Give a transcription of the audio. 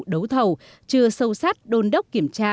đấu thầu chưa sâu sát đôn đốc kiểm tra